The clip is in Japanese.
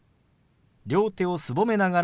両手をすぼめながら下げます。